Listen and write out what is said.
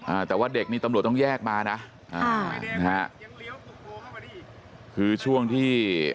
อ่าแต่ว่าเด็กนี่ตำรวจต้องแยกมานะอ่านะฮะคือช่วงที่